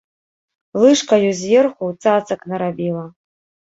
Лыжкаю зверху цацак нарабіла.